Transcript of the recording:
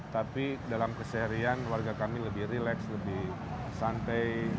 tapi dalam keseharian warga kami lebih rileks lebih santai